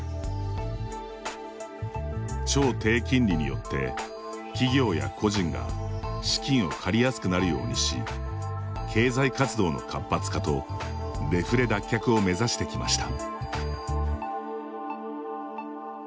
超低金利によって、企業や個人が資金を借りやすくなるようにし経済活動の活発化とデフレ脱却を目指してきました。